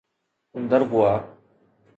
Dargwa